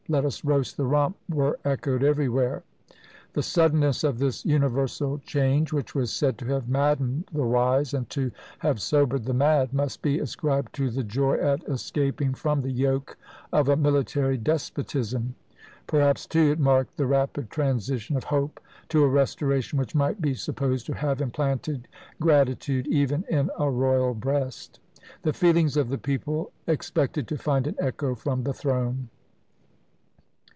Let us roast the Rump!" were echoed everywhere. The suddenness of this universal change, which was said to have maddened the wise, and to have sobered the mad, must be ascribed to the joy at escaping from the yoke of a military despotism; perhaps, too, it marked the rapid transition of hope to a restoration which might be supposed to have implanted gratitude even in a royal breast! The feelings of the people expected to find an echo from the throne!